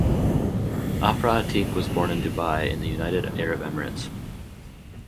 Afra Atiq was born in Dubai in the United Arab Emirates.